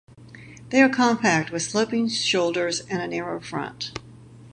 They are compact, with sloping shoulders and a narrow front.